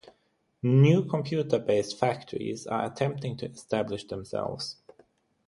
New computer based factories are attempting to establish themselves.